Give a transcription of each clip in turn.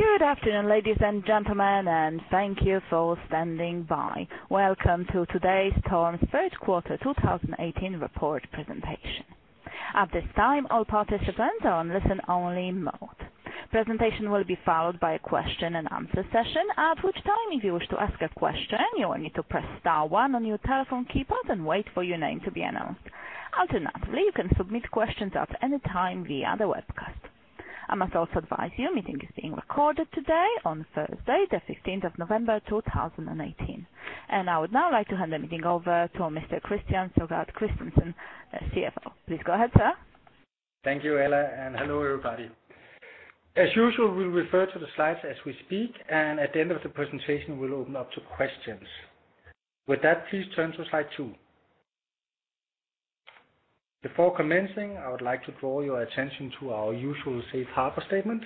Good afternoon, ladies and gentlemen, thank you for standing by. Welcome to today's TORM's third quarter 2018 report presentation. At this time, all participants are on listen-only mode. Presentation will be followed by a question and answer session, at which time, if you wish to ask a question, you will need to press star one on your telephone keypad and wait for your name to be announced. Alternatively, you can submit questions at any time via the webcast. I must also advise you, the meeting is being recorded today on Thursday, the 15th of November, 2018. I would now like to hand the meeting over to Mr. Christian Søgaard-Christensen, CFO. Please go ahead, sir. Thank you, Ella. Hello, everybody. As usual, we'll refer to the slides as we speak, and at the end of the presentation, we'll open up to questions. With that, please turn to slide two. Before commencing, I would like to draw your attention to our usual safe harbor statement.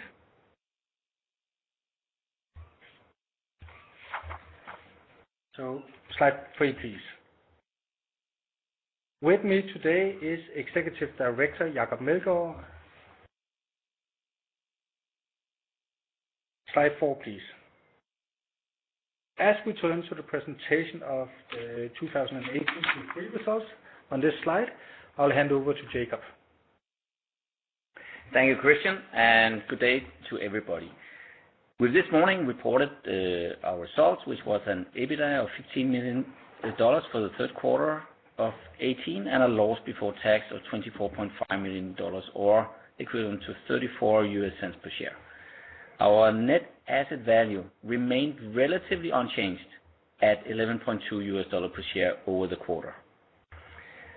Slide three, please. With me today is Executive Director Jacob Meldgaard. Slide four, please. As we turn to the presentation of 2018 Q3 results on this slide, I'll hand over to Jacob. Thank you, Christian, and good day to everybody. We this morning reported, our results, which was an EBITDA of $15 million for the third quarter of 2018, and a loss before tax of $24.5 million, or equivalent to $0.34 per share. Our net asset value remained relatively unchanged at $11.2 per share over the quarter.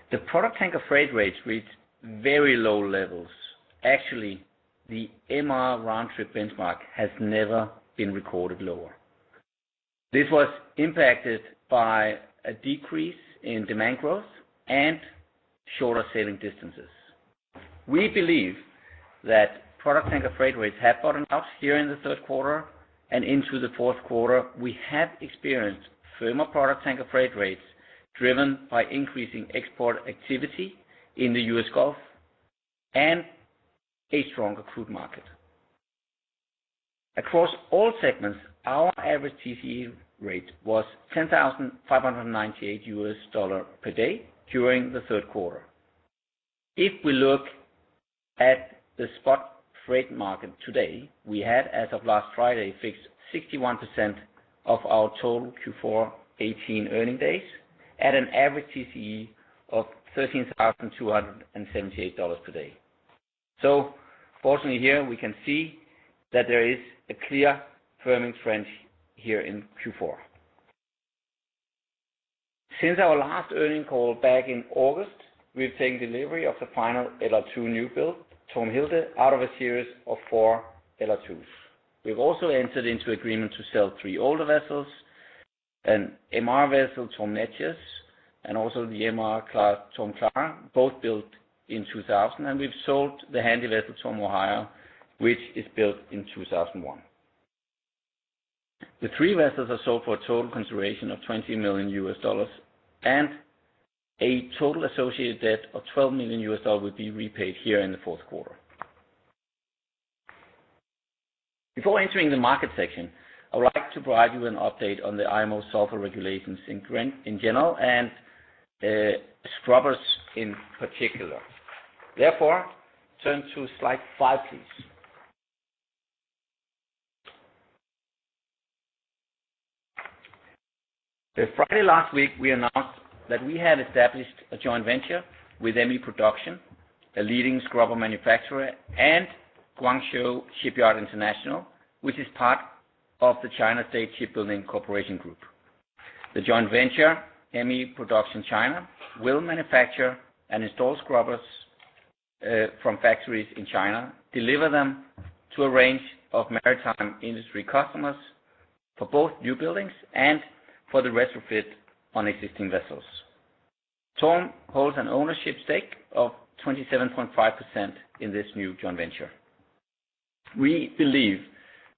The product tanker freight rates reached very low levels. Actually, the MR round-trip benchmark has never been recorded lower. This was impacted by a decrease in demand growth and shorter sailing distances. We believe that product tanker freight rates have bottomed out here in the third quarter and into the fourth quarter. We have experienced firmer product tanker freight rates, driven by increasing export activity in the U.S. Gulf and a stronger crude market. Across all segments, our average TCE rate was $10,598 per day during the 3rd quarter. We look at the spot freight market today, we had, as of last Friday, fixed 61% of our total Q4 2018 earning days at an average TCE of $13,278 per day. Fortunately here, we can see that there is a clear firming trend here in Q4. Our last earning call back in August, we've taken delivery of the final LR2 new build, TORM Hilde, out of a series of 4 LR2s. We've also entered into agreement to sell 3 older vessels, an MR vessel, TORM Neches, and also the MR class, TORM Clara, both built in 2000, and we've sold the Handysize vessel, TORM Ohio, which is built in 2001. The three vessels are sold for a total consideration of $20 million. A total associated debt of $12 million will be repaid here in the fourth quarter. Before entering the market section, I would like to provide you an update on the IMO sulfur regulations in general and scrubbers in particular. Turn to slide five, please. Friday last week, we announced that we had established a joint venture with ME Production, a leading scrubber manufacturer, and Guangzhou Shipyard International, which is part of the China State Shipbuilding Corporation Group. The joint venture, ME Production China, will manufacture and install scrubbers from factories in China, deliver them to a range of maritime industry customers for both new buildings and for the retrofit on existing vessels. TORM holds an ownership stake of 27.5% in this new joint venture. We believe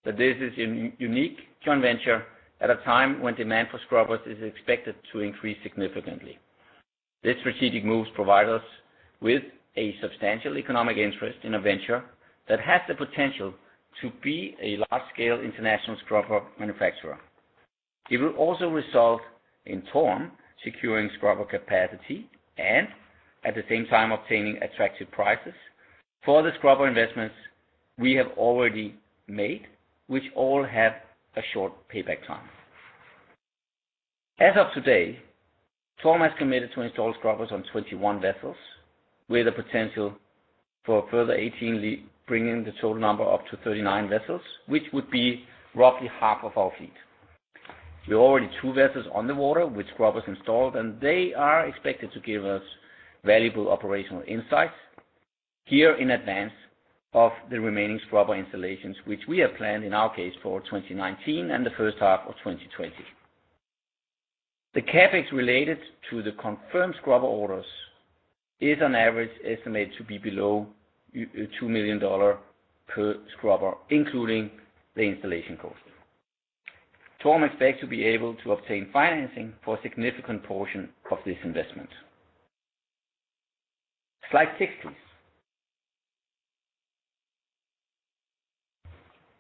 that this is a un-unique joint venture at a time when demand for scrubbers is expected to increase significantly. This strategic move provide us with a substantial economic interest in a venture that has the potential to be a large-scale international scrubber manufacturer. It will also result in TORM securing scrubber capacity and, at the same time, obtaining attractive prices for the scrubber investments we have already made, which all have a short payback time. As of today, TORM has committed to install scrubbers on 21 vessels, with a potential for a further 18, bringing the total number up to 39 vessels, which would be roughly half of our fleet. We have already two vessels on the water with scrubbers installed, and they are expected to give us valuable operational insights here in advance of the remaining scrubber installations, which we have planned in our case for 2019 and the first half of 2020. The CapEx related to the confirmed scrubber orders is on average estimated to be below $2 million per scrubber, including the installation cost. TORM expects to be able to obtain financing for a significant portion of this investment. Slide six, please.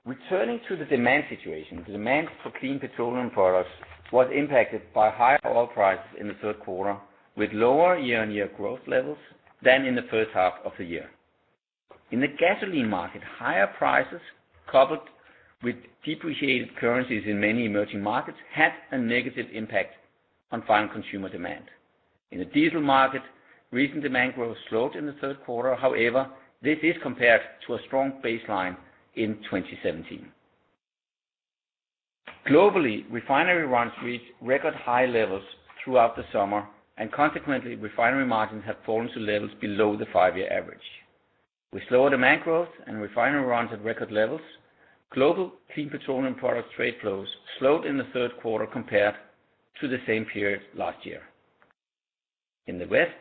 Returning to the demand situation, demand for clean petroleum products was impacted by higher oil prices in the third quarter, with lower year-on-year growth levels than in the first half of the year. In the gasoline market, higher prices, coupled with depreciated currencies in many emerging markets, had a negative impact on final consumer demand. In the diesel market, recent demand growth slowed in the 3rd quarter. However, this is compared to a strong baseline in 2017. Globally, refinery runs reached record high levels throughout the summer, and consequently, refinery margins have fallen to levels below the five year average. With slower demand growth and refinery runs at record levels, global clean petroleum product trade flows slowed in the 3rd quarter compared to the same period last year. In the West,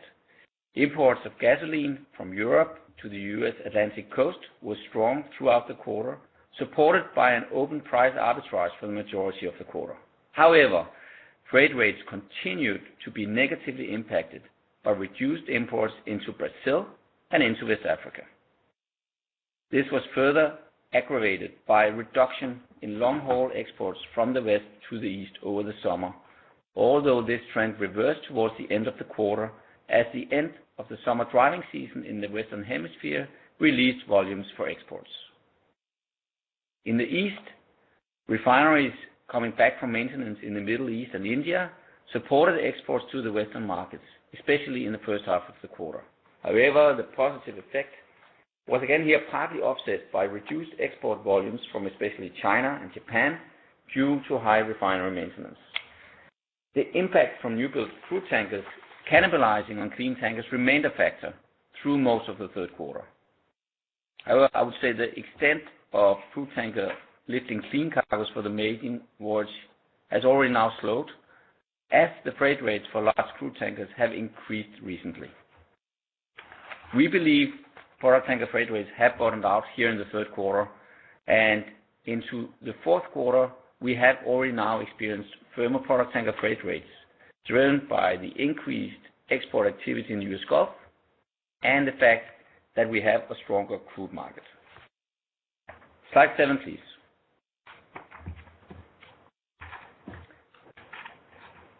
imports of gasoline from Europe to the U.S. Atlantic Coast were strong throughout the quarter, supported by an open price arbitrage for the majority of the quarter. However, trade rates continued to be negatively impacted by reduced imports into Brazil and into West Africa. This was further aggravated by a reduction in long-haul exports from the West to the East over the summer, although this trend reversed towards the end of the quarter, as the end of the summer driving season in the Western Hemisphere released volumes for exports. In the East, refineries coming back from maintenance in the Middle East and India supported exports to the Western markets, especially in the first half of the quarter. However, the positive effect was again here, partly offset by reduced export volumes from especially China and Japan, due to high refinery maintenance. The impact from newbuild crude tankers cannibalizing on clean tankers remained a factor through most of the third quarter. However, I would say the extent of crude tanker lifting clean cargoes for the maiden voyage has already now slowed, as the freight rates for large crude tankers have increased recently. We believe product tanker freight rates have bottomed out here in the third quarter. Into the fourth quarter, we have already now experienced firmer product tanker freight rates, driven by the increased export activity in the U.S. Gulf and the fact that we have a stronger crude market. Slide seven, please.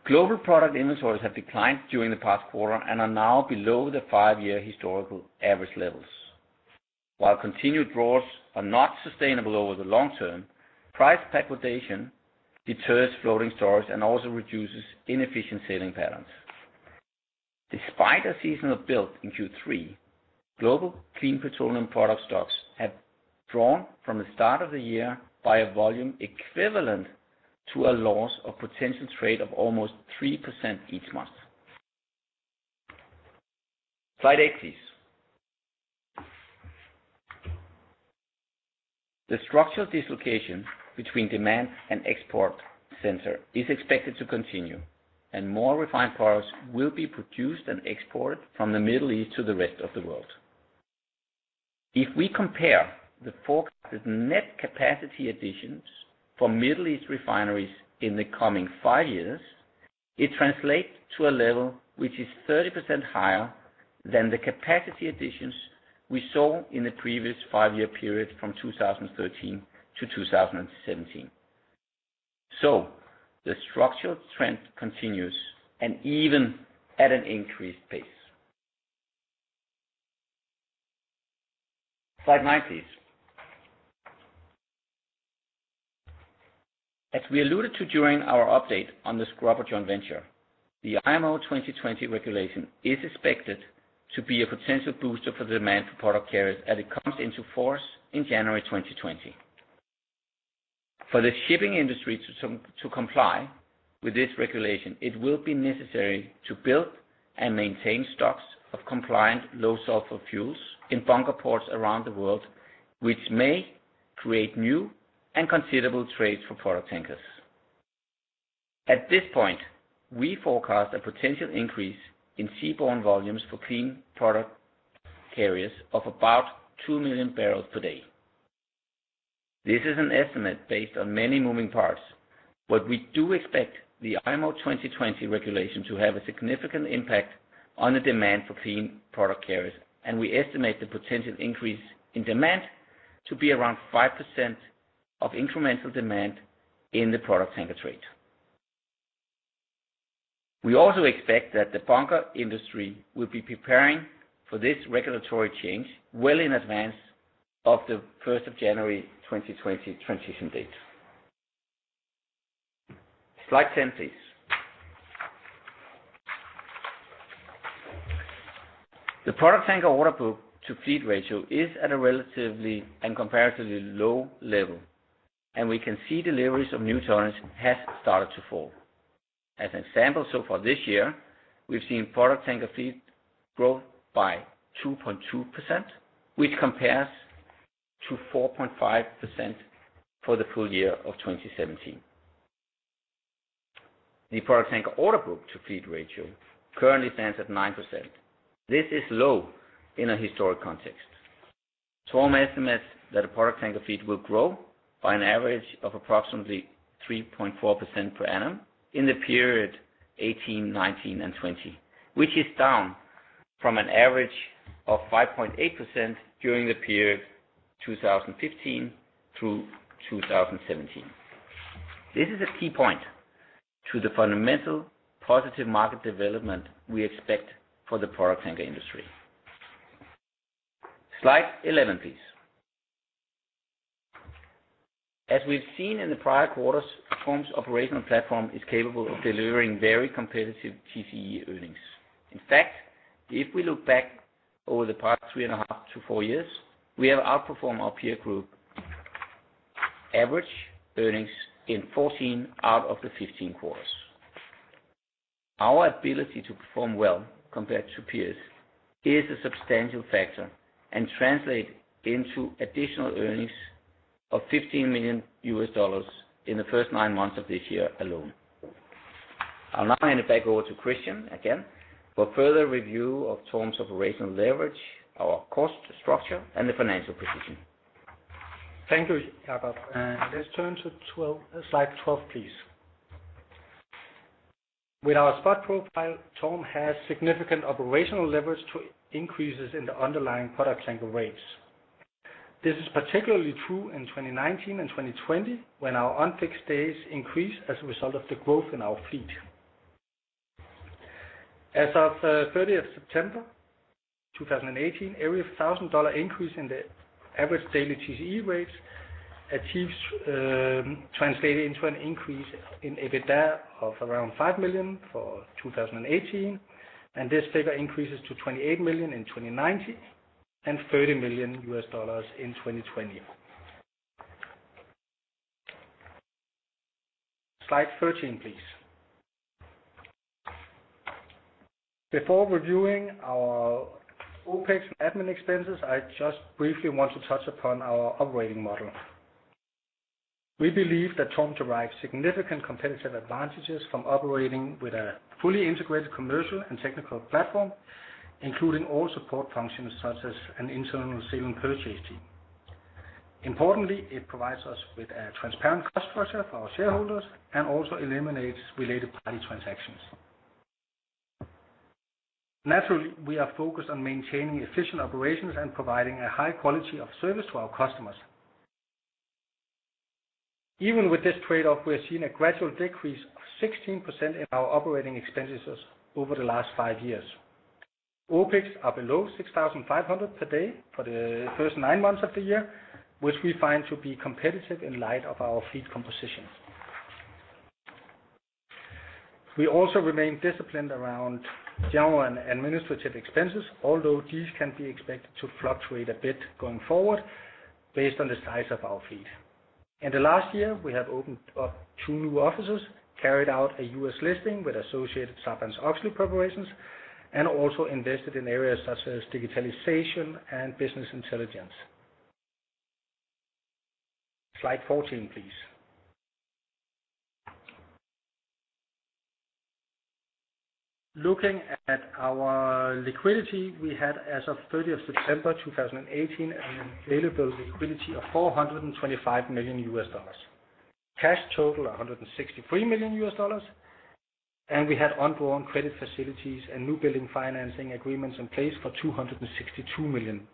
Global product inventories have declined during the past quarter and are now below the five-year historical average levels. While continued draws are not sustainable over the long term, price backwardation deters floating storage and also reduces inefficient sailing patterns. Despite a seasonal build in Q3, global clean petroleum product stocks have drawn from the start of the year by a volume equivalent to a loss of potential trade of almost 3% each month. Slide eight, please. The structural dislocation between demand and export center is expected to continue, and more refined products will be produced and exported from the Middle East to the rest of the world. If we compare the forecasted net capacity additions for Middle East refineries in the coming five years, it translates to a level which is 30% higher than the capacity additions we saw in the previous 5-year period from 2013 to 2017. The structural trend continues, and even at an increased pace. Slide nine, please. As we alluded to during our update on the Scrubber Joint Venture, the IMO 2020 regulation is expected to be a potential booster for the demand for product carriers as it comes into force in January 2020. For the shipping industry to some, to comply with this regulation, it will be necessary to build and maintain stocks of compliant low sulfur fuels in bunker ports around the world, which may create new and considerable trades for product tankers. At this point, we forecast a potential increase in seaborne volumes for clean product carriers of about two million barrels per day. This is an estimate based on many moving parts, but we do expect the IMO 2020 regulation to have a significant impact on the demand for clean product carriers, and we estimate the potential increase in demand to be around 5% of incremental demand in the product tanker trade. We also expect that the bunker industry will be preparing for this regulatory change well in advance of the first of January 2020 transition date. Slide 10, please. The product tanker order book-to-fleet ratio is at a relatively and comparatively low level, and we can see deliveries of new tonnage has started to fall. As an example, so far this year, we've seen product tanker fleet growth by 2.2%, which compares to 4.5% for the full year of 2017. The product tanker order book-to-fleet ratio currently stands at 9%. This is low in a historic context.... TORM estimates that a product tanker fleet will grow by an average of approximately 3.4% per annum in the period 2018, 2019, and 2020. Which is down from an average of 5.8% during the period 2015 through 2017. This is a key point to the fundamental positive market development we expect for the product tanker industry. Slide 11, please. As we've seen in the prior quarters, TORM's operational platform is capable of delivering very competitive TCE earnings. In fact, if we look back over the past 3.5 to four years, we have outperformed our peer group average earnings in 14 out of the 15 quarters. Our ability to perform well compared to peers is a substantial factor, and translate into additional earnings of $15 million in the first nine months of this year alone. I'll now hand it back over to Christian again, for further review of TORM's operational leverage, our cost structure, and the financial position. Thank you, Jacob. Let's turn to slide 12, please. With our spot profile, TORM has significant operational leverage to increases in the underlying product tanker rates. This is particularly true in 2019 and 2020, when our unfixed days increase as a result of the growth in our fleet. As of 30th September, 2018, every $1,000 increase in the average daily TCE rates achieves, translating into an increase in EBITDA of around $5 million for 2018. This figure increases to $28 million in 2019, and $30 million in 2020. Slide 13, please. Before reviewing our OPEX admin expenses, I just briefly want to touch upon our operating model. We believe that TORM derives significant competitive advantages from operating with a fully integrated commercial and technical platform, including all support functions, such as an internal sale and purchase team. Importantly, it provides us with a transparent cost structure for our shareholders and also eliminates related party transactions. Naturally, we are focused on maintaining efficient operations and providing a high quality of service to our customers. Even with this trade-off, we are seeing a gradual decrease of 16% in our operating expenditures over the last five years. OPEX are below $6,500 per day for the first nine months of the year, which we find to be competitive in light of our fleet composition. We also remain disciplined around general and administrative expenses, although these can be expected to fluctuate a bit going forward based on the size of our fleet. In the last year, we have opened up two new offices, carried out a U.S. listing with associated Sarbanes-Oxley preparations, and also invested in areas such as digitalization and business intelligence. Slide 14, please. Looking at our liquidity, we had, as of 30th September, 2018, an available liquidity of $425 million. Cash total, $163 million, and we had undrawn credit facilities and new building financing agreements in place for $262 million.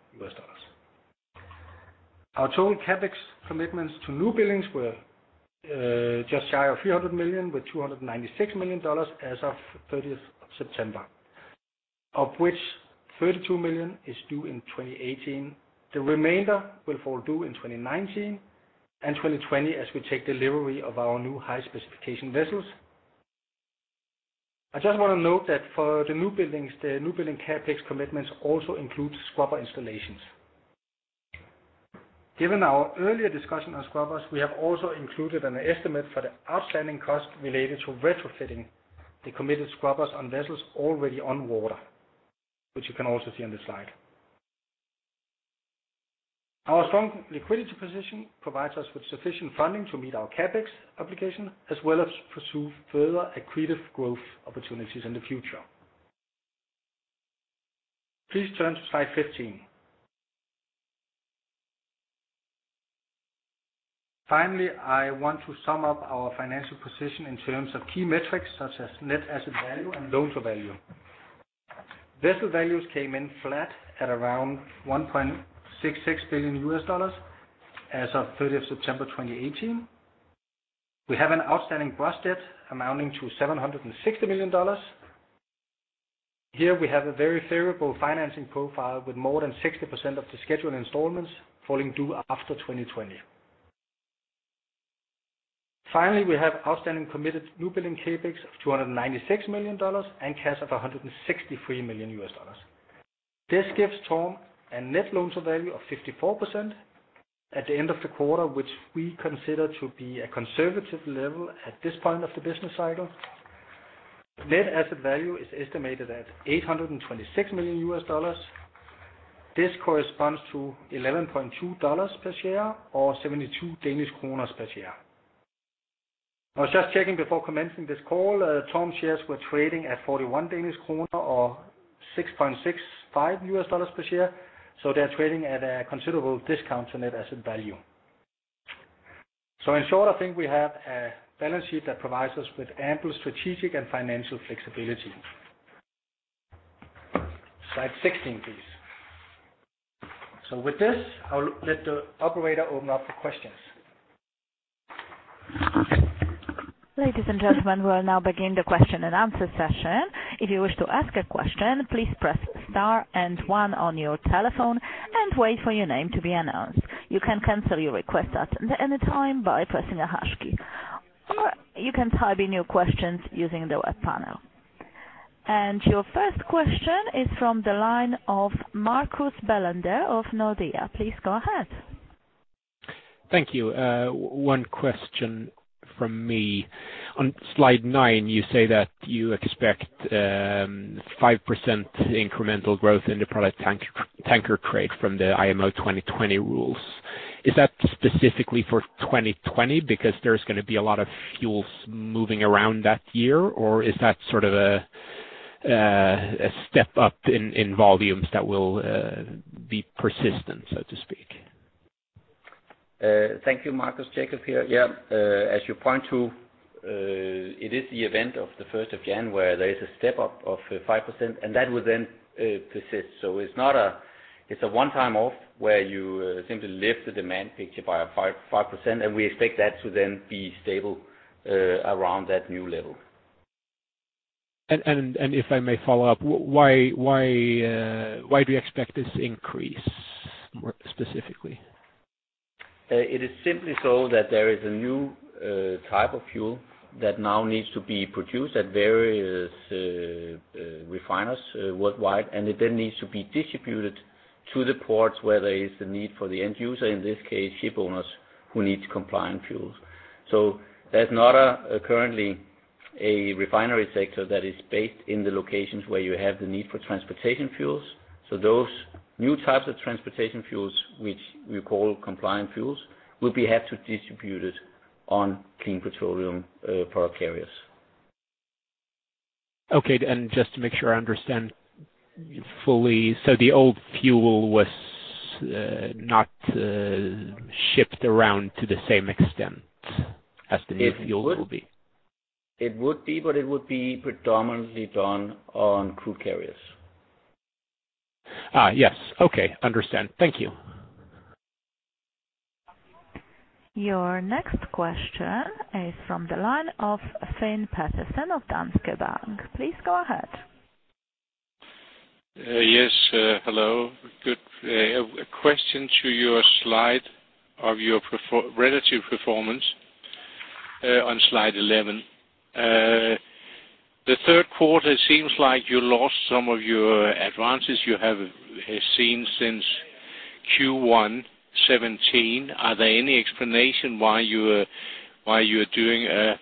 Our total CapEx commitments to new buildings were just shy of $300 million, with $296 million as of 30th September, of which $32 million is due in 2018. The remainder will fall due in 2019 and 2020, as we take delivery of our new high specification vessels. I just want to note that for the new buildings, the new building CapEx commitments also include scrubber installations. Given our earlier discussion on scrubbers, we have also included an estimate for the outstanding cost related to retrofitting the committed scrubbers on vessels already on water, which you can also see on this slide. Our strong liquidity position provides us with sufficient funding to meet our CapEx obligation, as well as pursue further accretive growth opportunities in the future. Please turn to slide 15. Finally, I want to sum up our financial position in terms of key metrics, such as net asset value and loans of value. Vessel values came in flat at around $1.66 billion as of 30th September, 2018. We have an outstanding gross debt amounting to $760 million. Here, we have a very favorable financing profile, with more than 60% of the scheduled installments falling due after 2020. We have outstanding committed new building CapEx of $296 million and cash of $163 million. This gives TORM a net loans of value of 54% at the end of the quarter, which we consider to be a conservative level at this point of the business cycle. Net asset value is estimated at $826 million. This corresponds to $11.2 per share, or DKK 72 per share. I was just checking before commencing this call, TORM shares were trading at 41 Danish kroner or $6.65 per share, they are trading at a considerable discount on net asset value. In short, I think we have a balance sheet that provides us with ample strategic and financial flexibility. Slide 16, please. With this, I'll let the operator open up for questions. Ladies and gentlemen, we'll now begin the question and answer session. If you wish to ask a question, please press star and one on your telephone and wait for your name to be announced. You can cancel your request at any time by pressing a hash key, or you can type in your questions using the web panel. Your first question is from the line of Marcus Bellander of Nordea. Please go ahead. Thank you. One question from me. On slide nine, you say that you expect, 5% incremental growth in the product tanker trade from the IMO 2020 rules. Is that specifically for 2020 because there's gonna be a lot of fuels moving around that year? Is that sort of a step up in volumes that will be persistent, so to speak? Thank you, Marcus. Jacob here. Yeah, as you point to, it is the event of the 1st of January, where there is a step up of 5%. That will then persist. It's not a one time off, where you simply lift the demand picture by a 5%. We expect that to then be stable around that new level. If I may follow up, why do you expect this increase more specifically? It is simply so that there is a new type of fuel that now needs to be produced at various refiners worldwide, and it then needs to be distributed to the ports where there is the need for the end user, in this case, shipowners who need compliant fuels. There's not a, currently, a refinery sector that is based in the locations where you have the need for transportation fuels. Those new types of transportation fuels, which we call compliant fuels, will be had to distribute it on clean petroleum product carriers. Okay. just to make sure I understand fully, the old fuel was not shipped around to the same extent as the new fuel will be? It would be, but it would be predominantly done on crude carriers. Yes. Okay, understand. Thank you. Your next question is from the line of Finn Petersen of Danske Bank. Please go ahead. Yes, hello. Good, a question to your slide of your relative performance on slide 11. The third quarter seems like you lost some of your advances you have seen since Q1 2017. Are there any explanation why you are doing a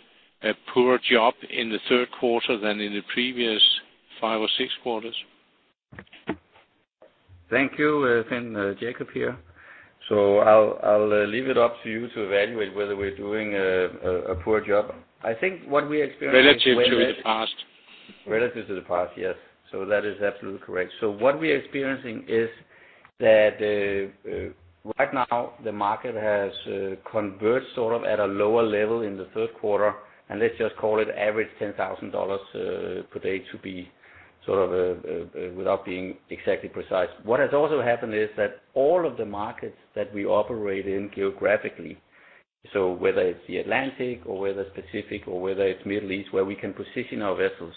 poor job in the third quarter than in the previous five or six quarters? Thank you, Finn. Jacob here. I'll leave it up to you to evaluate whether we're doing a poor job. I think what we experienced. Relative to the past. Relative to the past, yes. That is absolutely correct. What we are experiencing is that right now, the market has converged sort of at a lower level in the third quarter, and let's just call it average $10,000 per day to be sort of without being exactly precise. What has also happened is that all of the markets that we operate in geographically, whether it's the Atlantic or whether Pacific or whether it's Middle East, where we can position our vessels,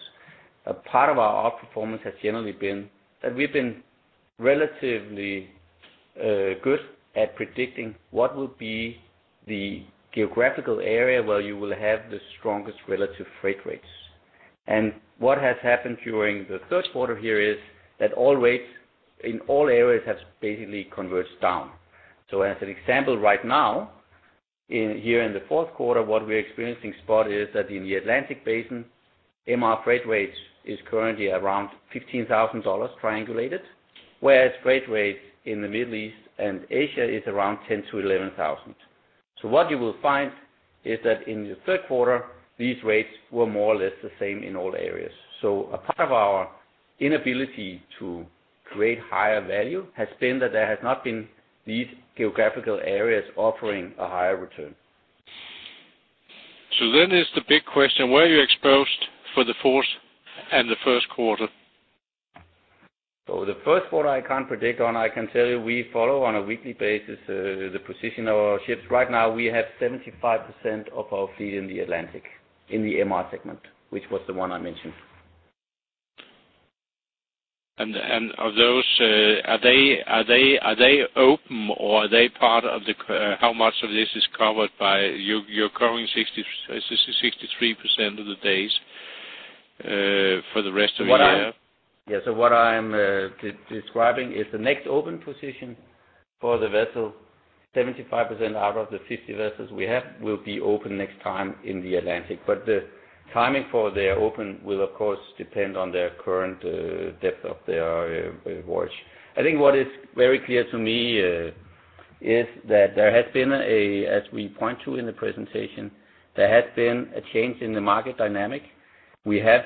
a part of our outperformance has generally been that we've been relatively good at predicting what will be the geographical area where you will have the strongest relative freight rates. What has happened during the third quarter here is that all rates in all areas have basically converged down. As an example, right now, in here in the fourth quarter, what we're experiencing spot is that in the Atlantic Basin, MR freight rates is currently around $15,000 triangulated, whereas freight rates in the Middle East and Asia is around $10,000-$11,000. What you will find is that in the third quarter, these rates were more or less the same in all areas. A part of our inability to create higher value has been that there has not been these geographical areas offering a higher return. Is the big question, where are you exposed for the fourth and the first quarter? The first quarter I can't predict, and I can tell you, we follow on a weekly basis, the position of our ships. Right now, we have 75% of our fleet in the Atlantic, in the MR segment, which was the one I mentioned. Of those, are they open or are they part of the how much of this is covered by... You're covering 63% of the days for the rest of the year? What I'm describing is the next open position for the vessel. 75% out of the 50 vessels we have will be open next time in the Atlantic. The timing for their open will, of course, depend on their current depth of their voyage. I think what is very clear to me is that there has been a, as we point to in the presentation, change in the market dynamic. We have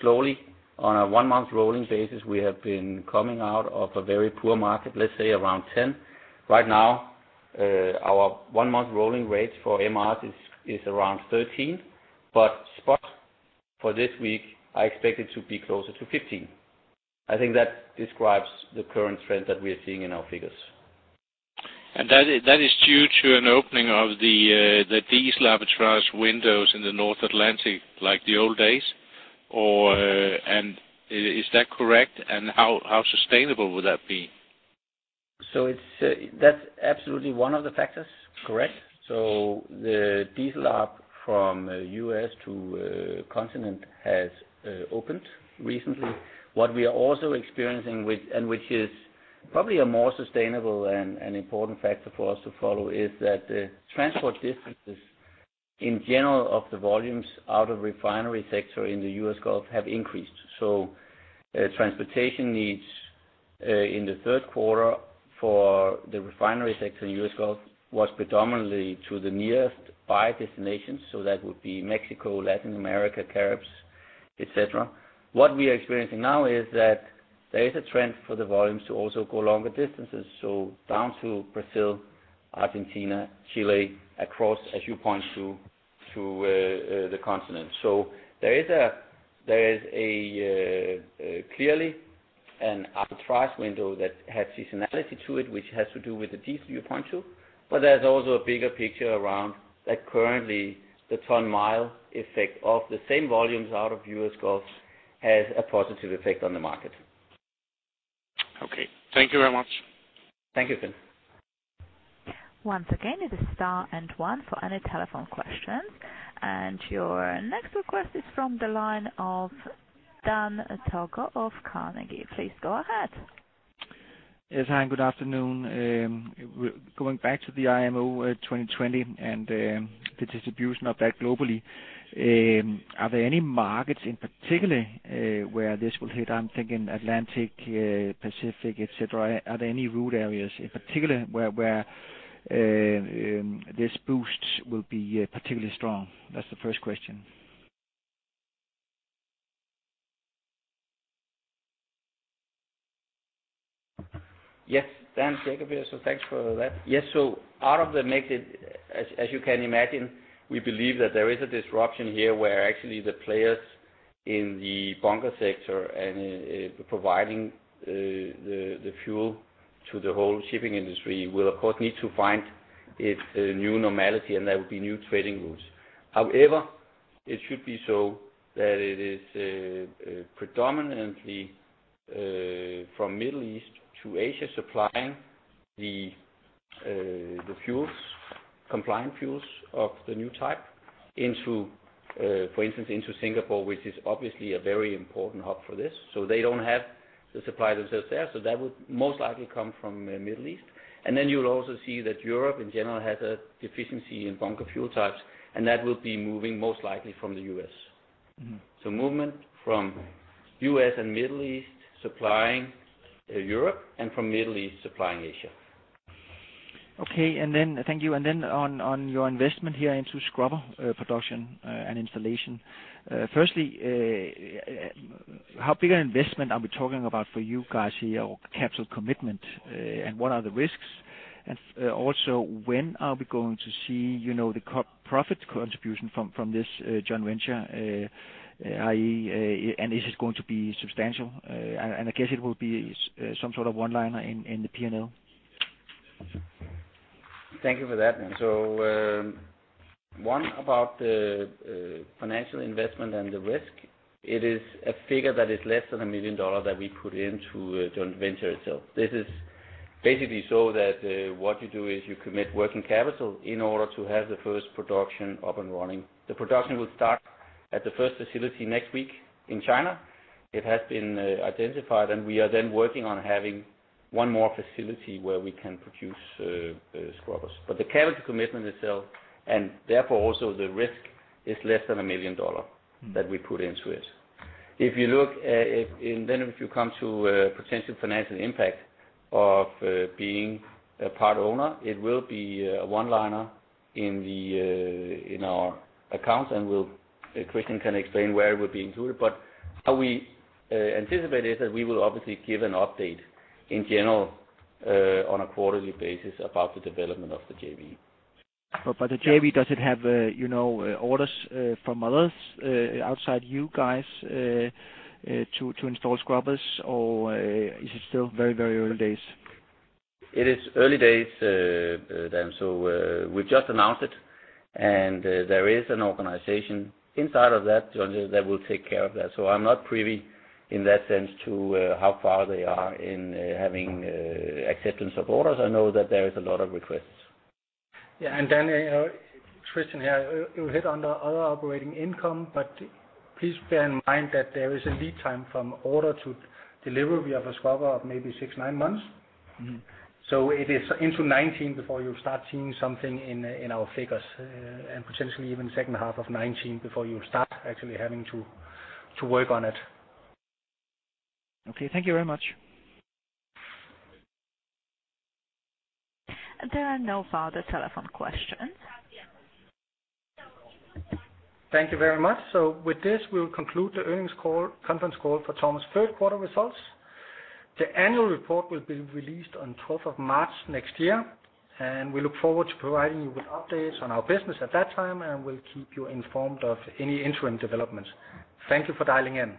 slowly, on a one-month rolling basis, we have been coming out of a very poor market, let's say around 10. Right now, our one-month rolling rate for MR is around 13. Spot for this week, I expect it to be closer to 15. I think that describes the current trend that we are seeing in our figures. That is due to an opening of the diesel arbitrage windows in the North Atlantic, like the old days, or is that correct? How sustainable would that be? It's, that's absolutely one of the factors, correct. The diesel arb from U.S. to continent has opened recently. What we are also experiencing and which is probably a more sustainable and important factor for us to follow, is that the transport distances in general, of the volumes out of refinery sector in the U.S. Gulf, have increased. Transportation needs in the third quarter for the refinery sector in U.S. Gulf, was predominantly to the nearest five destinations, so that would be Mexico, Latin America, Caribbean, et cetera. What we are experiencing now is that there is a trend for the volumes to also go longer distances, so down to Brazil, Argentina, Chile, across, as you point to the continent. There is a clearly an arbitrage window that has seasonality to it, which has to do with the diesel you point to. There's also a bigger picture around that currently, the ton-mile effect of the same volumes out of U.S. Gulf, has a positive effect on the market. Okay. Thank you very much. Thank you, Finn. Once again, it is star and one for any telephone questions. Your next request is from the line of Dan Togo of Carnegie. Please go ahead. Yes, hi, and good afternoon. Going back to the IMO 2020, and the distribution of that globally, are there any markets in particular where this will hit? I'm thinking Atlantic, Pacific, et cetera. Are there any route areas in particular where this boost will be particularly strong? That's the first question. Dan Jacob here, thanks for that. Out of the mix, as you can imagine, we believe that there is a disruption here, where actually the players in the bunker sector and providing the fuel to the whole shipping industry, will of course, need to find its new normality, and there will be new trading routes. However, it should be so that it is predominantly from Middle East to Asia, supplying the fuels, compliant fuels of the new type into, for instance, into Singapore, which is obviously a very important hub for this. They don't have the suppliers themselves there, so that would most likely come from the Middle East. You'll also see that Europe, in general, has a deficiency in bunker fuel types, and that will be moving, most likely from the US. Mm-hmm. Movement from U.S. and Middle East, supplying Europe, and from Middle East, supplying Asia. Okay, thank you. On your investment here into scrubber production and installation. Firstly, how big an investment are we talking about for you guys here, or capital commitment, and what are the risks? Also, when are we going to see, you know, the profit contribution from this joint venture, i.e., and is it going to be substantial? I guess it will be some sort of one-liner in the P&L. Thank you for that. One, about the financial investment and the risk, it is a figure that is less than $1 million that we put into the joint venture itself. This is basically so that what you do is you commit working capital in order to have the first production up and running. The production will start at the first facility next week in China. It has been identified, and we are then working on having one more facility where we can produce scrubbers. The capital commitment itself, and therefore also the risk, is less than $1 million. Mm-hmm. -that we put into it. If you look, and then if you come to potential financial impact of being a part owner, it will be a one-liner in the in our accounts, and Christian Søgaard-Christensen can explain where it would be included. How we anticipate is that we will obviously give an update, in general, on a quarterly basis about the development of the JV. The JV, does it have, you know, orders, from others, outside you guys, to install scrubbers? Is it still very, very early days? It is early days, Dan. We've just announced it, and there is an organization inside of that that will take care of that. I'm not privy in that sense to how far they are in having acceptance of orders. I know that there is a lot of requests. Christian here, it will hit on the other operating income. Please bear in mind that there is a lead time from order to delivery of a scrubber of maybe six, nine months. Mm-hmm. It is into 2019 before you start seeing something in our figures, and potentially even second half of 2019 before you start actually having to work on it. Okay, thank you very much. There are no further telephone questions. Thank you very much. With this, we'll conclude the conference call for TORM third quarter results. The annual report will be released on 12th of March next year, and we look forward to providing you with updates on our business at that time, and we'll keep you informed of any interim developments. Thank you for dialing in.